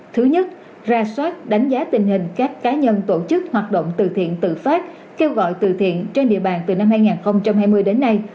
thứ nhất ra soát đánh giá tình hình các cá nhân tổ chức hoạt động từ thiện tự phát kêu gọi từ thiện trên địa bàn từ năm hai nghìn hai mươi đến nay